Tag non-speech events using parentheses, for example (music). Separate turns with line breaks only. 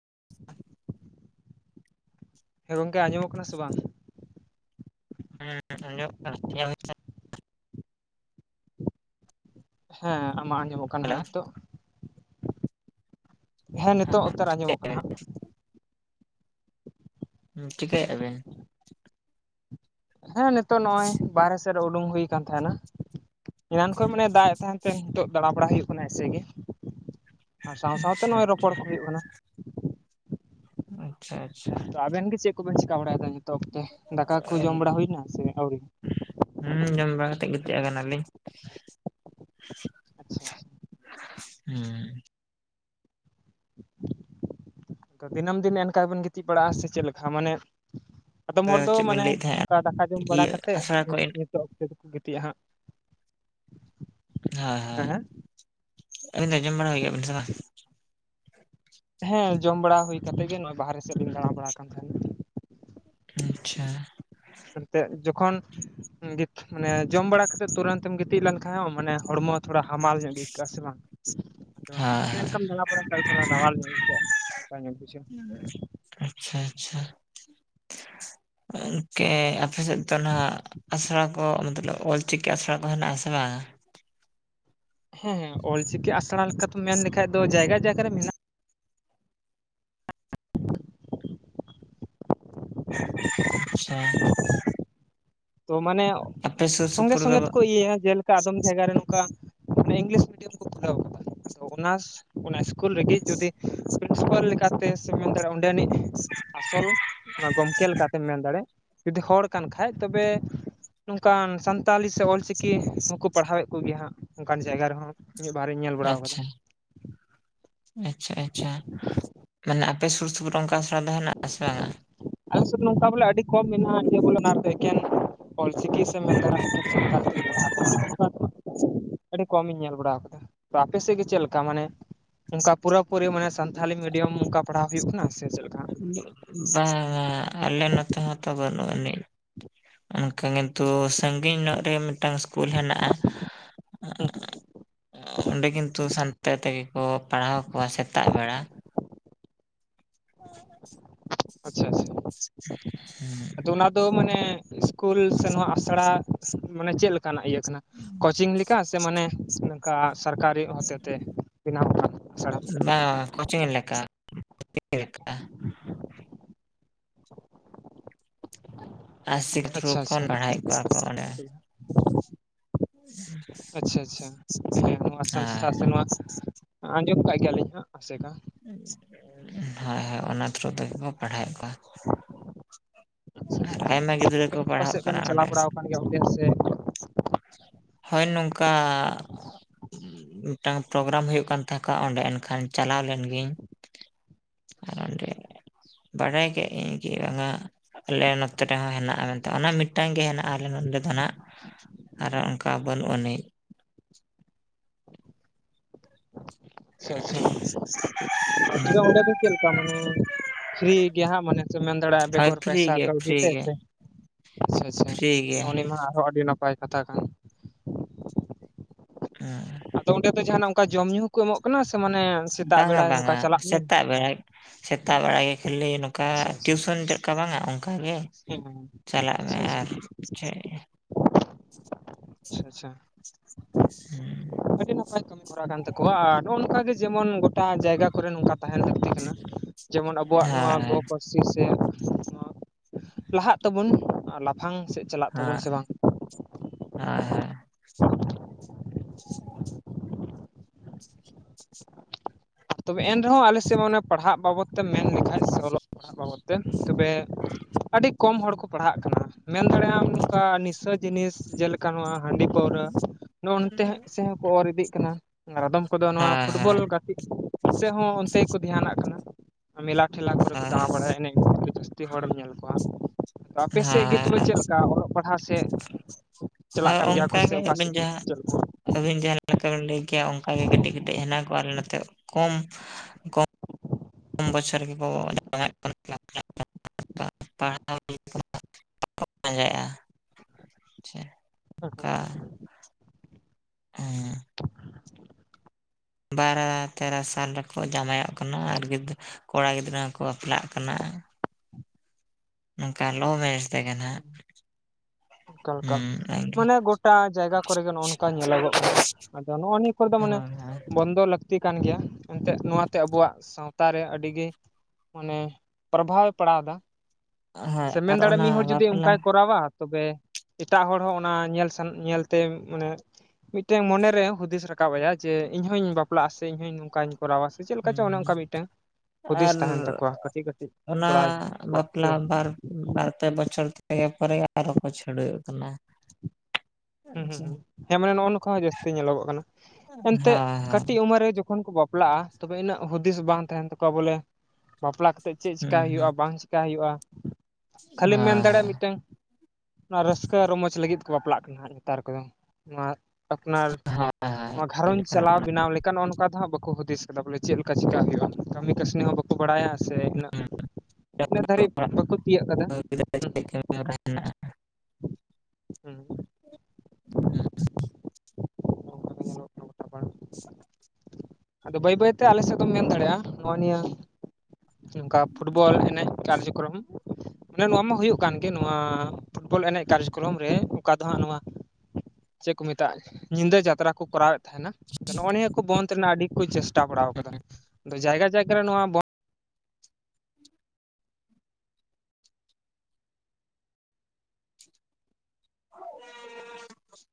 (unintelligible)
ᱦᱮᱸ ᱜᱚᱝᱠᱮ ᱟᱸᱡᱚᱢᱚᱜ ᱠᱟᱱᱟ ᱥᱮ ᱵᱟᱝ?
ᱦᱮᱸ ᱟᱸᱡᱚᱢᱚᱜ ᱠᱟᱱᱟ ᱤᱧᱟᱜ ᱦᱚᱸ ᱵᱤᱱ
ᱦᱮᱸ ᱟᱢᱟ ᱟᱸᱡᱚᱢᱚᱜ ᱠᱟᱱᱟ ᱦᱟᱸᱜ
ᱤᱧᱟᱹᱜ
ᱱᱤᱛᱚᱜ᱾ ᱦᱮᱸ ᱱᱤᱛᱚᱜ ᱚᱛᱟᱹᱨ ᱟᱸᱡᱚᱢᱚᱜ ᱠᱟᱱᱟ ᱦᱟᱸᱜ᱾
ᱦᱮᱸ ᱪᱷᱤᱠᱟᱹᱭᱮᱫ ᱟᱵᱤᱱ?
ᱦᱮᱸ ᱱᱤᱛᱚᱜ ᱱᱚᱜᱼᱚᱭ ᱵᱟᱨᱦᱮ ᱥᱮᱫ ᱨᱮ ᱩᱰᱩᱠ ᱦᱩᱭᱩ ᱠᱟᱱ ᱛᱟᱦᱮᱱᱟ ᱮᱱᱟᱱ ᱠᱷᱚᱱ ᱢᱟᱱᱮ ᱫᱟᱜ ᱮᱫ ᱛᱟᱦᱮᱱᱟ᱾ ᱱᱤᱛᱚᱜ ᱫᱟᱲᱟ ᱵᱟᱲᱟ ᱦᱩᱭᱩᱜ ᱠᱟᱱᱟ ᱮᱭᱥᱮ ᱜᱮ ᱟᱨ ᱥᱟᱶ ᱥᱟᱶᱛᱮ
ᱟᱪᱪᱷᱟ
ᱱᱚᱜᱼᱚᱭ ᱨᱚᱯᱚᱲ ᱠᱚ ᱦᱩᱭᱩᱜ ᱠᱟᱱᱟ᱾
ᱟᱪᱪᱷᱟ ᱟᱪᱪᱷᱟ
ᱛᱚ ᱟᱵᱮᱱ ᱜᱮ ᱪᱮᱫ ᱠᱚᱵᱮᱱ ᱪᱤᱠᱟᱹ ᱵᱟᱲᱟᱭᱮᱫᱟ ᱱᱤᱛᱚᱜ ᱚᱠᱛᱮ ᱫᱟᱠᱟ ᱠᱚ ᱡᱚᱢ ᱵᱟᱲᱟ ᱦᱩᱭᱱᱟ ᱥᱮ ᱟᱹᱣᱨᱤ?
ᱦᱩᱸ ᱡᱚᱢ ᱵᱟᱲᱟ ᱠᱟᱛᱮᱫ ᱜᱤᱛᱤᱡ ᱟᱠᱟᱱᱟᱞᱤᱧ᱾
ᱟᱪᱪᱷᱟ ᱟᱪᱪᱷᱟ
ᱦᱮᱸ
ᱫᱤᱱᱟᱹᱢ ᱫᱤᱱ ᱮᱱᱠᱟ ᱜᱮᱵᱚᱱ ᱜᱤᱛᱤᱡ ᱵᱟᱲᱟᱜᱼᱟ ᱥᱮ ᱪᱮᱫ ᱞᱮᱠᱟ ᱢᱟᱱᱮ, ᱟᱫᱚᱢ ᱦᱚᱲ ᱫᱚ
ᱪᱮᱫ ᱵᱤᱱ
ᱢᱟᱱᱮ
ᱞᱟᱹᱭᱮᱫ ᱛᱟᱦᱮᱸᱫ
ᱚᱱᱠᱟ ᱫᱟᱠᱟ ᱡᱚᱢ ᱵᱟᱲᱟ
ᱤᱭᱟᱹ
ᱠᱟᱛᱮᱫ,
ᱟᱥᱲᱟ ᱠᱚ ᱦᱳᱭ
ᱡᱚᱛᱚ ᱚᱠᱛᱮᱚ ᱫᱚᱠᱚ ᱜᱤᱛᱤᱡᱼᱟ ᱦᱟᱸᱜ᱾ ᱦᱮᱸ
ᱦᱮᱸ ᱦᱮᱸ ᱟᱹᱵᱤᱱ ᱫᱚ ᱟᱸᱡᱚᱢ ᱵᱟᱲᱟ ᱠᱟ ᱟᱵᱤᱱ ᱥᱮ ᱵᱟᱝ?
ᱦᱮᱸ ᱡᱚᱢ ᱵᱟᱲᱟ ᱦᱩᱭ ᱠᱟᱛᱮ ᱜᱮ ᱱᱚᱜᱼᱚᱭ ᱵᱟᱦᱨᱮ ᱥᱮᱫ ᱞᱤᱧ ᱫᱬᱟ ᱵᱟᱲᱟ ᱠᱟᱱ ᱛᱟᱦᱮᱸᱱᱟ᱾
ᱟᱪᱪᱷᱟ
ᱮᱱᱛᱮᱫ ᱡᱚᱠᱷᱚᱱ ᱡᱚᱢ ᱵᱟᱲᱟ ᱠᱟᱛᱮᱜ ᱛᱩᱩᱨᱟᱹᱫ ᱮᱢ ᱜᱤᱛᱤᱡ ᱞᱮᱱᱠᱷᱟᱱᱡ ᱦᱚᱸ ᱢᱟᱱᱮ ᱦᱚᱲᱢᱚ ᱛᱷᱚᱲᱟ, ᱦᱟᱢᱟᱞ ᱧᱚᱜ ᱜᱮ ᱟᱹᱭᱠᱟᱹᱜ ᱟᱥᱮ ᱵᱟᱝ᱾ ᱟᱫᱚ
ᱦᱳᱭ ᱦᱳᱭ
ᱮᱱᱠᱷᱟᱢ ᱫᱟᱬᱟ ᱵᱟᱲᱟᱭ ᱠᱷᱟᱡ ᱛᱷᱚᱲᱟ ᱨᱟᱣᱟᱞ ᱧᱚᱜ ᱟᱹᱭᱠᱟᱹᱜᱼᱟ ᱱᱟᱯᱟᱭ ᱧᱚᱜ ᱵᱩᱡᱷᱼᱟ᱾
ᱟᱪᱪᱷᱟ ᱟᱪᱪᱷᱟ ᱜᱚᱝᱠᱮ ᱟᱯᱮ ᱥᱮᱫ ᱫᱚ ᱱᱚᱣᱟ ᱟᱥᱲᱟ ᱠᱚ ᱢᱚᱛᱞᱚᱵ ᱚᱞᱪᱤᱠᱤ ᱟᱥᱲᱟ ᱠᱚ ᱦᱮᱱᱟᱜ ᱟᱥᱮ ᱵᱟᱝ?
ᱦᱮᱸ ᱦᱮᱸ ᱚᱞᱪᱤᱠᱤ ᱟᱥᱲᱟ ᱞᱮᱠᱟᱛᱮᱢ ᱢᱮᱱ ᱞᱮᱠᱷᱟᱡ ᱫᱚ ᱡᱟᱭᱜᱟ ᱡᱟᱭᱜᱟ ᱨᱮ ᱢᱮᱱᱟᱜᱼᱟ᱾
ᱟᱪᱪᱷᱟ
ᱛᱚ ᱢᱟᱱᱮ
ᱟᱯᱮ ᱥᱩᱨ
ᱥᱚᱸᱜᱮ
ᱥᱩᱯᱩᱨ ᱫᱚ
ᱥᱚᱸᱜᱮ ᱛᱮᱠᱚ ᱤᱭᱟᱹᱭᱟ ᱡᱮᱞᱮᱠᱟ ᱟᱫᱚᱢ ᱡᱟᱭᱜᱟ ᱨᱮ ᱱᱚᱝᱠᱟ ᱢᱟᱱᱮ ᱤᱝᱞᱤᱥ ᱢᱤᱰᱤᱭᱟᱢ ᱠᱚ ᱠᱷᱩᱞᱟᱹᱣ ᱠᱟᱫᱟ᱾ ᱚᱱᱟᱥ ᱚᱱᱟ ᱤᱥᱠᱩᱞ ᱨᱮᱜᱮ ᱡᱩᱫᱤ ᱯᱨᱤᱱᱥᱤᱯᱟᱞ ᱞᱮᱠᱟᱛᱮ ᱥᱮ ᱢᱮᱱ ᱫᱟᱲᱮᱭᱟᱜᱼᱟ ᱚᱸᱰᱮᱱᱤᱡ ᱟᱥᱚᱞ ᱜᱚᱢᱠᱮ ᱞᱮᱠᱟᱛᱮᱢ ᱢᱮᱱ ᱫᱟᱲᱮᱭᱟᱜ ᱡᱩᱫᱤ ᱦᱚᱲ ᱠᱟᱱ ᱠᱷᱟᱡ ᱛᱚᱵᱮ ᱱᱚᱝᱠᱟᱱ ᱥᱟᱱᱛᱟᱞᱤ ᱥᱮ ᱚᱞ ᱪᱤᱠᱤ ᱦᱚᱸᱠᱚ ᱯᱟᱲᱦᱟᱣᱮᱫ ᱠᱚᱜᱮᱭᱟ ᱦᱟᱸᱜ ᱚᱱᱠᱟᱱ ᱡᱟᱭᱜᱟ ᱨᱮᱦᱚᱸ᱾ ᱤᱧ ᱵᱟᱨᱮ ᱧᱟ
ᱟᱪᱪᱷᱟ ᱟᱪᱪᱷᱟ ᱟᱪᱪᱷᱟ ᱢᱟᱱᱮ ᱟᱯᱮ ᱥᱩᱨ ᱥᱩᱯᱩᱨ ᱨᱮ ᱚᱱᱠᱟ ᱟᱥᱲᱟ ᱫᱚ ᱦᱮᱱᱟ ᱟᱥᱮ ᱵᱟᱝᱟ?
ᱟᱞᱮ ᱥᱮᱫ ᱱᱚᱝᱠᱟ ᱵᱚᱞᱮ ᱟᱹᱰᱤ ᱠᱚᱢ ᱢᱮᱱᱟᱜᱼᱟ ᱤᱭᱟᱹ ᱵᱚᱞᱮ ᱚᱱᱟ ᱮᱠᱮᱱ ᱚᱞ ᱪᱤᱠᱤ ᱥᱮᱢ ᱢᱮᱱᱫᱟᱱᱲᱟ ᱮᱠᱷᱮᱱ ᱥᱟᱱᱛᱟᱲ ᱛᱮᱜᱮ ᱯᱟᱲᱦᱟᱜ ᱟᱠᱚ᱾ ᱟᱹᱰᱤ ᱠᱚᱢᱤᱧ ᱧᱮᱞ ᱵᱟᱲᱟ ᱟᱠᱟᱫᱟ ᱟᱯᱮ ᱥᱮᱫ ᱜᱮ ᱪᱮᱫ ᱞᱮᱠᱟ ᱢᱟᱱᱮ ᱚᱱᱠᱟ ᱯᱩᱨᱟᱹ ᱯᱩᱨᱤ ᱢᱟᱱᱮ ᱥᱟᱱᱛᱷᱟᱞᱤ ᱢᱤᱰᱤᱭᱟᱢ ᱚᱱᱠᱟ ᱯᱟᱲᱦᱟᱣ ᱦᱩᱭᱩᱜ ᱠᱟᱱᱟ ᱥᱮ ᱪᱮᱫ ᱞᱮᱠᱟ
ᱵᱟᱝ ᱵᱟᱝ ᱟᱞᱮ ᱱᱚᱛᱮ ᱦᱚᱸᱛᱚ ᱵᱟᱹᱱᱩᱜ ᱟᱹᱱᱤᱡ ᱚᱱᱠᱟ ᱠᱤᱱᱛᱩ ᱥᱟᱺᱜᱤᱧ ᱧᱚᱜ ᱨᱮ ᱢᱤᱫᱴᱟᱱ ᱥᱠᱩᱞ ᱦᱮᱱᱟᱜ-ᱟ ᱦᱮᱸ
ᱦᱩᱸ,
(unintelligible) ᱚᱸᱰᱮ ᱠᱤᱱᱛᱩ ᱥᱟᱱᱛᱟᱲ ᱛᱮᱜᱮ ᱠᱚ ᱯᱟᱲᱦᱟᱣ ᱠᱚᱣᱟ ᱥᱮᱛᱟᱜ ᱵᱮᱲᱟ ᱦᱮᱸ
ᱟᱪᱪᱷᱟ ᱟᱪᱪᱷᱟ ᱟᱫᱚ ᱚᱱᱟ ᱫᱚ ᱢᱟᱱᱮ ᱤᱥᱠᱩᱞ ᱥᱮ ᱱᱚᱣᱟ ᱟᱥᱲᱟ ᱢᱟᱱᱮ ᱪᱮᱫ ᱞᱮᱠᱟᱱᱟᱜ ᱤᱭᱟᱹ ᱠᱟᱱᱟ ᱠᱳᱪᱤᱝ ᱞᱮᱠᱟ ᱪᱤᱠᱟᱜ ᱟ ᱥᱮ ᱢᱟᱱᱮ ᱱᱚᱝᱠᱟ ᱥᱚᱨᱠᱟᱨᱤ ᱦᱚᱛᱮᱛᱮ ᱵᱮᱱᱟᱣ ᱟᱠᱟᱱ ᱟᱥᱲᱟ᱾
ᱵᱟᱝ ᱠᱳᱪᱤᱝ ᱞᱮᱠᱟ ᱞᱮ ᱞᱮᱠᱟ (inaudible) ᱟᱨᱥᱤᱠ ᱛᱷᱨᱩ
ᱟᱪᱪᱷᱟ
ᱠᱷᱚᱱ
ᱟᱪᱪᱷᱟ
ᱯᱟᱲᱦᱟᱣᱮᱫ ᱠᱚᱣᱟ ᱠᱚ ᱚᱸᱰᱮ
ᱟᱪᱪᱷᱟ ᱟᱪᱪᱷᱟ ᱦᱮᱸ ᱱᱚᱣᱟ
ᱟᱨ
ᱥᱚᱝᱥᱛᱷᱟ ᱥᱮ ᱱᱚᱣᱟ ᱟᱸᱡᱚᱢ ᱠᱟᱜ ᱜᱮᱭᱟᱞᱤᱧ ᱦᱟᱸᱜ ᱟᱥᱮᱠᱟ
ᱦᱮᱸ ᱦᱮᱸ ᱚᱱᱟ ᱛᱷᱨᱩ ᱛᱮᱜᱮ ᱠᱚ ᱯᱟᱲᱦᱟᱣᱮᱫ ᱠᱚᱣᱟ ᱟᱨ ᱟᱭᱢᱟ ᱜᱤᱫᱽᱨᱟᱹ ᱠᱚ
ᱟᱵᱮᱱ ᱦᱚᱸ
ᱯᱟᱲᱦᱟᱜ
ᱯᱟᱥᱮᱡ ᱵᱮᱱ
ᱠᱟᱱᱟ
ᱪᱟᱞᱟᱣ
ᱚᱸᱰᱮ
ᱵᱟᱲᱟ ᱟᱠᱟᱱ ᱜᱮᱭᱟ ᱚᱱᱛᱮ ᱦᱚ ᱥᱮ
ᱦᱳᱭ ᱱᱚᱝᱠᱟ ᱢᱤᱫᱴᱟᱱ ᱯᱨᱳᱜᱨᱟᱢ ᱦᱩᱭᱩᱜ ᱠᱟᱱ ᱛᱟᱠᱚᱣᱟ ᱚᱸᱰᱮ ᱮᱱᱠᱷᱟᱱ ᱪᱟᱞᱟᱣ ᱞᱮᱱ ᱜᱤᱭᱟᱹᱧ ᱟᱨ ᱚᱸᱰᱮ ᱵᱟᱲᱟᱭ ᱠᱮᱫᱟᱧ ᱠᱤ ᱚᱱᱟ ᱟᱞᱮ ᱱᱚᱛᱮ ᱨᱮᱦᱚᱸ ᱦᱮᱱᱟᱜᱼᱟ ᱢᱮᱱᱛᱮ ᱚᱱᱟ ᱢᱤᱫᱴᱟᱝ ᱜᱮ ᱦᱮᱱᱟᱜᱼᱟ ᱟᱞᱮ ᱱᱚᱰᱮ ᱫᱚ ᱱᱟᱜ ᱟᱨᱦᱚᱸ ᱚᱱᱠᱟ ᱵᱟᱹᱱᱩᱜ ᱟᱹᱱᱤᱡ
ᱟᱪᱪᱷᱟ ᱟᱪᱪᱷᱟ ᱛᱚᱵᱮ ᱚᱸᱰᱮ ᱫᱚ ᱪᱮᱫ ᱞᱮᱠᱟ ᱢᱟᱱᱮ ᱯᱷᱤᱨᱤ ᱜᱮᱭᱟ ᱦᱟᱸᱜ ᱢᱟᱱᱮ ᱥᱮ ᱢᱮᱱ ᱫᱟᱲᱮᱭᱟᱜᱼᱟ
ᱦᱳᱭ
ᱵᱮᱜᱚᱨ
ᱯᱷᱨᱤ
ᱯᱟᱭᱥᱟ
ᱜᱮ
ᱠᱟᱹᱣᱰᱤ
ᱯᱷᱨᱤ
ᱛᱮ
ᱜᱮ
ᱥᱮ᱾ ᱟᱪᱪᱷᱟ
ᱯᱷᱨᱤ ᱜᱮ
ᱟᱪᱪᱷᱟ ᱢᱟ ᱟᱨᱦᱚᱸ ᱟᱹᱰᱤ ᱱᱟᱯᱟᱭ ᱠᱟᱛᱷᱟ ᱠᱟᱱ᱾
ᱦᱮᱸ
ᱟᱫᱚ ᱚᱸᱰᱮ ᱫᱚ ᱡᱟᱦᱟᱱᱟᱜ ᱚᱱᱠᱟ ᱡᱚᱢ ᱧᱩ ᱠᱚ ᱮᱢᱚᱜ ᱠᱟᱱᱟ ᱥᱮ ᱢᱟᱱᱮ ᱥᱮᱛᱟᱜ
ᱵᱟᱝᱟ
ᱵᱮᱲᱟ ᱱᱚᱝᱠᱟ
ᱵᱟᱝᱟ
ᱪᱟᱞᱟᱜ ᱢᱮ
ᱥᱮᱛᱟᱜ ᱵᱮᱲᱟ ᱥᱮᱛᱟᱜ ᱵᱮᱲᱟ ᱜᱮ ᱠᱷᱟᱹᱞᱤ ᱱᱚᱝᱠᱟ
ᱟᱪᱪᱷᱟ ᱟᱪᱪᱷᱟ
ᱴᱤᱭᱩᱥᱚᱱ ᱪᱮᱫᱠᱟ ᱵᱟᱝᱟ ᱚᱱᱠᱟᱜᱮ
ᱦᱮᱸ ᱟᱪᱪᱷᱟ
ᱪᱟᱞᱟᱜ ᱢᱮ
ᱟᱪᱪᱷᱟ
ᱟᱨ ᱪᱮᱫ
ᱟᱪᱪᱷᱟ ᱟᱪᱪᱷᱟ (inaudible)
ᱦᱮᱸ
ᱟᱹᱰᱤ ᱱᱟᱯᱟᱭ ᱠᱟᱹᱢᱤ ᱦᱚᱨᱟ ᱠᱟᱱ ᱛᱟᱠᱚᱣᱟ ᱟᱨ ᱱᱚᱜᱼᱚᱭ ᱱᱚᱝᱠᱟ ᱜᱮ ᱡᱮᱢᱚᱱ ᱜᱚᱴᱟ ᱡᱟᱭᱜᱟ ᱠᱚᱨᱮ ᱱᱚᱝᱠᱟ ᱛᱟᱦᱮᱱ ᱛᱟᱠᱚ ᱞᱟᱹᱠᱛᱤ ᱠᱟᱱᱟ ᱡᱮᱢᱚᱱ ᱟᱵᱚᱣᱟᱜ ᱱᱚᱣᱟ ᱜᱚ
ᱦᱳᱭ
ᱯᱟᱹᱨᱥᱤ ᱥᱮ ᱞᱟᱦᱟᱜ ᱛᱟᱵᱚᱱ ᱞᱟᱯᱷᱟᱝ ᱥᱮᱫ᱾ ᱪᱟᱞᱟᱜ ᱛᱟᱵᱚᱱ
ᱦᱮᱸ
ᱥᱮ ᱵᱟᱝ
ᱦᱮᱸ ᱦᱮᱸ (unintelligible)
ᱛᱚᱵᱮ ᱮᱱᱨᱮᱦᱚᱸ ᱟᱞᱮ ᱥᱮᱫ ᱢᱟ ᱟᱱᱮ ᱯᱟᱲᱦᱟᱜ ᱵᱟᱵᱚᱫ ᱛᱮᱢ ᱢᱮᱱ ᱞᱮᱠᱷᱟᱡ ᱥᱮ ᱚᱞᱚᱜ ᱯᱟᱲᱦᱟᱜ ᱵᱟᱵᱚᱫ ᱛᱮ ᱛᱚᱵᱮ ᱟᱹᱰᱤ ᱠᱚᱢ ᱦᱚᱲ ᱠᱚ ᱯᱟᱲᱦᱟᱜ ᱠᱟᱱᱟ ᱢᱮᱱ ᱫᱟᱲᱮᱭᱟᱢ ᱱᱚᱝᱠᱟ ᱱᱤᱥᱟᱹ ᱡᱤᱱᱤᱥ ᱡᱮᱞᱮᱠᱟ᱾ ᱦᱟᱺᱰᱤ ᱯᱟᱹᱣᱨᱟ ᱱᱚᱜᱼᱚᱭ ᱱᱚᱛᱮ ᱥᱮ ᱠᱚ ᱚᱨ ᱤᱫᱤᱜ ᱠᱟᱱᱟ ᱟᱫᱚᱢ ᱠᱚᱫᱚ ᱱᱚᱣᱟ ᱯᱷᱩᱴᱵᱚᱞ
ᱦᱳᱭ
ᱜᱟᱛᱮᱜ ᱟᱞᱮ ᱥᱮᱫ ᱦᱚᱸ ᱚᱱᱛᱮ ᱜᱮᱠᱚ ᱫᱷᱮᱭᱟᱱᱟᱜ ᱠᱟᱱᱟ ᱢᱮᱞᱟ ᱴᱷᱮᱞᱟ ᱠᱚᱨᱮ ᱠᱚ
ᱦᱳᱭ
ᱫᱟᱲᱟ ᱵᱟᱲᱟᱭᱟ ᱮᱱᱮᱡ ᱡᱟᱹᱥᱛᱤ ᱦᱚᱲᱮᱢ ᱧᱮᱞ ᱠᱚᱣᱟ ᱟᱯᱮ ᱥᱮᱫ ᱜᱮ ᱛᱚᱵᱮ
ᱦᱳᱭ
ᱪᱮᱫ ᱞᱮᱠᱟ ᱚᱞᱚᱜ ᱯᱟᱲᱦᱟᱜ ᱡᱟᱦᱟᱸ ᱥᱮᱫ ᱪᱟᱞᱟᱜ
ᱦᱳᱭ
ᱠᱟᱱ ᱜᱮᱭᱟ ᱠᱚ ᱥᱮ
ᱚᱱᱠᱟᱜᱮ
ᱚᱠᱟ
ᱟᱹᱵᱤᱱ
ᱥᱮᱫ
ᱡᱟᱦᱟᱸ
ᱪᱮᱫ ᱞᱮᱠᱟ
ᱟᱹᱵᱤᱱ ᱡᱟᱦᱟᱸ ᱞᱮᱠᱟ ᱵᱤᱱ ᱞᱟᱹᱭ ᱠᱮᱭᱟ ᱚᱱᱠᱟᱜᱮ ᱠᱟᱹᱴᱤᱡ ᱠᱟᱹᱴᱤᱡ ᱦᱮᱱᱟᱜ ᱠᱚᱣᱟ ᱟᱨ ᱱᱚᱛᱮ ᱠᱚᱢ ᱵᱚᱪᱷᱚᱨ ᱜᱮ ᱠᱚ ᱯᱟᱲᱦᱟᱣ (inaudible) ᱯᱟᱸᱡᱟᱭᱼᱟ ᱟᱪᱪᱷᱟ
ᱦᱮᱸ ᱦᱮᱸ
(unintelligible) ᱵᱟᱨᱚ ᱛᱮᱨᱚ ᱥᱟᱞ ᱨᱮᱠᱚ ᱡᱟᱢᱟᱭᱚᱜ ᱠᱟᱱᱟ ᱟᱨ ᱜᱤᱫᱽ ᱠᱚᱲᱟ ᱜᱤᱫᱽᱨᱟᱹ ᱦᱚᱸᱠᱚ ᱵᱟᱯᱞᱟᱜ ᱠᱟᱱᱟ᱾ ᱱᱚᱝᱠᱟ ᱞᱚᱵ ᱢᱮᱨᱮᱡ ᱛᱮᱜᱮ ᱦᱟᱸᱜ᱾
ᱮᱠᱟᱞ ᱮᱠᱟᱞ ᱢᱟᱱᱮ ᱜᱚᱴᱟ ᱡᱟᱭᱜᱟ ᱠᱚᱨᱮ ᱜᱮ ᱱᱚᱜᱼᱚ ᱱᱚᱝᱠᱟ ᱧᱮᱞᱚᱜᱼᱚᱜ ᱠᱟᱱᱟ᱾ ᱟᱫᱚ ᱱᱚᱜᱼᱚ ᱱᱤᱭᱟᱹ ᱠᱚᱨᱮ ᱫᱚ ᱢᱟᱱᱮ
ᱦᱳᱭ
ᱵᱚᱱᱫᱚ ᱞᱟᱹᱠ ᱛᱤ ᱠᱟᱱ ᱜᱮᱭᱟ ᱮᱱᱛᱮᱫ ᱱᱚᱣᱟ ᱛᱮ ᱟᱵᱚᱣᱟᱜ ᱥᱟᱶᱛᱟ ᱨᱮ ᱟᱹᱰᱤ ᱜᱮ, ᱢᱟᱱᱮ ᱯᱨᱚᱵᱷᱟᱵᱮ ᱯᱟᱲᱟᱣ ᱮᱫᱟ,
ᱦᱳᱭ
ᱥᱮ ᱢᱮᱱ
ᱟᱨ
ᱫᱟᱲᱮᱭᱟᱜ
ᱚᱱᱟ
ᱢᱤᱫ ᱦᱚᱲ ᱡᱩᱫᱤ
ᱵᱟᱯᱞᱟ
ᱚᱱᱠᱟᱭ ᱠᱚᱨᱟᱣᱟ, ᱛᱚᱵᱮ ᱮᱴᱟᱜ ᱦᱚᱲ ᱦᱚᱸ ᱚᱱᱟ ᱧᱮᱞ ᱥᱟᱱ ᱧᱮᱞ ᱛᱮ ᱢᱟᱱᱮ ᱢᱤᱫ ᱴᱮᱱ ᱢᱚᱱᱮ ᱨᱮ ᱦᱩᱫᱤᱥ ᱨᱟ ᱨᱟᱠᱟᱵᱟᱭᱟ ᱡᱮ ᱤᱧ ᱦᱚᱧ ᱵᱟᱯᱞᱟᱜᱼᱟ ᱥᱮ ᱤᱧ ᱦᱚᱸᱧ ᱱᱚᱝᱠᱟᱧ ᱠᱚᱨᱟᱣᱟ ᱥᱮ ᱪᱮᱫ ᱞᱮᱠᱟ ᱪᱚᱝ ᱚᱱᱮ
ᱦᱩᱸ
ᱚᱱᱠᱟ ᱢᱤᱫᱴᱟᱝ ᱦᱩᱫᱤᱥ
ᱟᱨ
ᱛᱟᱦᱮᱱ ᱛᱟᱠᱚᱣᱟ ᱠᱟᱹᱴᱤᱡ ᱠᱟᱹᱴᱤᱡ
ᱚᱱᱟ
ᱠᱚᱲᱟ ᱠᱚᱣᱟᱜ ᱥᱮ
ᱵᱟᱯᱞᱟ
ᱵᱟᱝ?
ᱵᱟᱨ ᱵᱟᱨ ᱯᱮ ᱵᱚᱪᱷᱚᱨ ᱛᱮᱜᱮ ᱯᱚᱨᱮ ᱟᱨᱦᱚ ᱠᱚ ᱪᱷᱟᱰᱣᱤᱜ ᱠᱟᱱᱟ᱾
ᱦᱩᱸ ᱦᱩᱸ
ᱟᱪᱪᱷᱟ
ᱦᱩᱸ ᱦᱮᱸ ᱢᱟᱱᱮ ᱱᱚᱜᱼᱚ ᱱᱚᱝᱠᱟ ᱦᱚᱸ ᱡᱟᱥᱛᱤ ᱧᱮᱞᱚᱜᱼᱚᱜ ᱠᱟᱱᱟ᱾ ᱮᱱᱛᱮᱜ
ᱦᱳᱭ ᱦᱳᱭ
ᱠᱟᱹᱴᱤᱡ ᱩᱢᱮᱨ ᱨᱮ ᱡᱚᱠᱷᱚᱱ ᱠᱚ ᱵᱟᱯᱞᱟᱜᱼᱟ, ᱛᱚᱵᱮ ᱤᱱᱟᱹᱜ ᱦᱩᱫᱤᱥ ᱵᱟᱝ ᱛᱟᱦᱮᱱ ᱛᱟᱠᱚᱣᱟ ᱵᱚᱞᱮ, ᱵᱟᱯᱞᱟ ᱠᱟᱛᱮᱜ ᱪᱮᱫ
ᱦᱩᱸ
ᱪᱮᱠᱟ
ᱦᱩᱸ ᱦᱳᱭ
ᱦᱩᱭᱩᱜᱼᱟ ᱵᱟᱝ ᱪᱮᱠᱟ ᱦᱩᱭᱩᱜᱼᱟ ᱠᱷᱟᱞᱤᱢ ᱢᱮᱱ ᱫᱟᱲᱮᱭᱟᱜᱼᱟ ᱢᱤᱫᱴᱟᱝ ᱚᱱᱟ ᱨᱟᱹᱥᱠᱟᱹ ᱨᱚᱢᱚᱡᱽ ᱞᱟᱹᱜᱤᱫ ᱠᱚ ᱵᱟᱯᱞᱟᱜ ᱠᱟᱱᱟ ᱦᱟᱸᱜ ᱱᱮᱛᱟᱨ ᱠᱚᱫᱚ᱾ ᱱᱚᱣᱟ ᱟᱯᱱᱟᱨ
ᱦᱳᱭ
ᱱᱚᱣᱟ
ᱦᱳᱭ
ᱜᱷᱟᱨᱚᱸᱡᱽ
ᱦᱳᱭ
ᱪᱟᱞᱟᱣ ᱵᱮᱱᱟᱣ ᱞᱮᱠᱟ ᱱᱚᱜᱼᱚ ᱱᱚᱝᱠᱟ ᱫᱚ ᱦᱟᱸᱜ ᱵᱟᱠᱚ ᱦᱩᱫᱤᱥ ᱠᱟᱫᱟ ᱵᱚᱞᱮ ᱪᱮᱫ ᱞᱮᱠᱟ ᱪᱮᱠᱟ ᱦᱩᱭᱩᱜᱼᱟ ᱠᱟᱹᱢᱤ ᱠᱟᱹᱥᱱᱤ ᱦᱚᱸ ᱠᱚ ᱵᱟᱲᱟᱭᱟ ᱥᱮ ᱤᱱᱟᱹᱜ ᱤᱱᱟᱹᱜ ᱫᱷᱟᱹᱨᱤᱡ ᱵᱟᱠᱚ ᱛᱤᱭᱟᱹᱜ ᱟᱠᱟᱫᱟ
(unintelligible) ᱦᱮᱱᱟᱜᱼᱟ
ᱦᱩᱸ
(unintelligible)
ᱦᱩᱸ
(inaudible)
ᱟᱫᱚ ᱵᱟᱹᱭ ᱵᱟᱹᱭ ᱛᱮ ᱟᱞᱮ ᱥᱮᱫ ᱫᱚᱢ ᱢᱮᱱ ᱫᱟᱲᱮᱭᱟᱜᱼᱟ ᱱᱚᱜᱼᱚ ᱱᱤᱭᱟᱹ, ᱱᱚᱝᱠᱟ ᱯᱷᱩᱴᱵᱚᱞ ᱮᱱᱮᱡ ᱠᱟᱨᱡᱚ ᱠᱨᱚᱢ ᱢᱟᱱᱮ ᱱᱚᱣᱟ ᱢᱟ ᱦᱩᱭᱩᱜ ᱠᱟᱱ ᱜᱮ ᱱᱚᱣᱟ ᱯᱷᱩᱴᱵᱚᱞ ᱮᱱᱮᱡ ᱠᱟᱨᱡᱚ ᱠᱨᱚᱢ ᱨᱮ ᱚᱠᱟ ᱫᱚ ᱦᱟᱸᱜ ᱱᱚᱣᱟ ᱪᱮᱫ ᱠᱚ ᱢᱮᱛᱟᱜᱼᱟ, ᱧᱤᱸᱫᱟᱹ ᱡᱟᱛᱨᱟ ᱠᱚ ᱠᱚᱨᱟᱣᱮᱫ ᱛᱟᱦᱮᱱᱟ ᱟᱫᱚ ᱱᱚᱜᱼᱚ ᱱᱤᱭᱟᱹ ᱠᱚ ᱵᱚᱱᱫᱷ ᱨᱮᱱᱟᱜ ᱟᱹᱰᱤ ᱠᱚ ᱪᱮᱥᱴᱟ ᱵᱟᱲᱟ ᱟᱠᱟᱫᱟ ᱟᱫᱚ ᱡᱟᱭᱜᱟ ᱡᱟᱭᱜᱟ ᱨᱮ ᱱᱚᱣᱟ ᱵᱚᱱᱫᱷ
(inaudible)